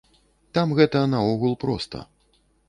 Там гэта наогул проста.